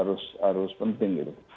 screeningnya yang harus penting gitu